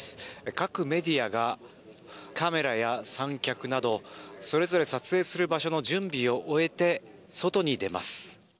各メディアがカメラや三脚などそれぞれ撮影する場所の準備を終えて外に出ます。